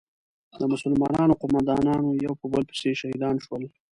د مسلمانانو قومندانان یو په بل پسې شهیدان شول.